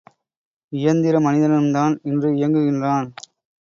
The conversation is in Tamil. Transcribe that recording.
இயந்திர மனிதனும்தான் இன்று இயங்குகின்றான்.